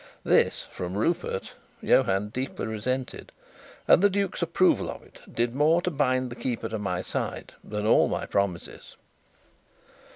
This, from Rupert, Johann deeply resented, and the duke's approval of it did more to bind the keeper to my side than all my promises.